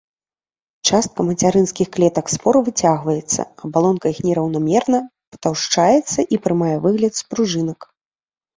Частка мацярынскіх клетак спор выцягваецца, абалонка іх нераўнамерна патаўшчаецца і прымае выгляд спружынак.